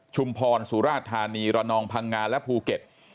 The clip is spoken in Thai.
ชุมพรสุราธานีระนองพังงาและภูเก็ต